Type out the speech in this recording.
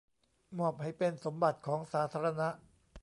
มอบให้เป็นสมบัติของสาธารณะ